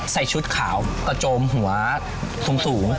ชุดขาวกระโจมหัวสูง